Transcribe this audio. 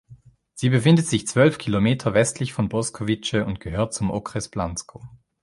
Sie befindet sich zwölf Kilometer westlich von Boskovice und gehört zum Okres Blansko.